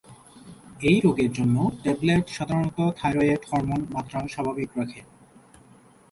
এই রোগের জন্য ট্যাবলেট সাধারণত থাইরয়েড হরমোন মাত্রা স্বাভাবিক রাখে।